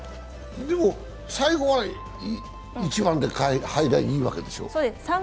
でも、最後は１番で入ればいいわけでしょ？